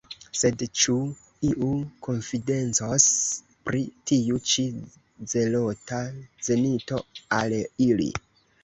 Sed ĉu iu konfidencos pri tiu ĉi zelota zenito al ili?